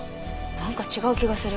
なんか違う気がする。